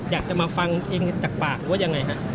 อยากจะมาฟังเองจากปากหรือว่ายังไงฮะ